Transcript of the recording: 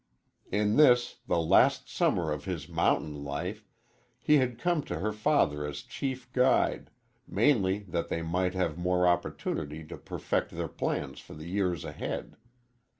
In this, the last summer of his mountain life, he had come to her father as chief guide, mainly that they might have more opportunity to perfect their plans for the years ahead.